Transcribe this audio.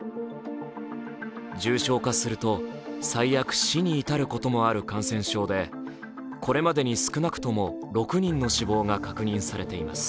重症化すると、最悪、死に至ることもある感染症でこれまでに少なくとも６人の死亡が確認されています。